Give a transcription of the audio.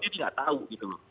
jadi dia nggak tahu gitu loh